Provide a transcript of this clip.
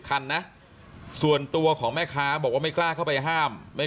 คันนะส่วนตัวของแม่ค้าบอกว่าไม่กล้าเข้าไปห้ามไม่